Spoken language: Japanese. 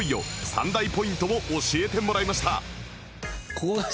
３大ポイントを教えてもらいました